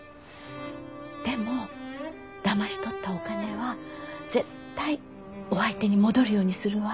でもだまし取ったお金は絶対お相手に戻るようにするわ。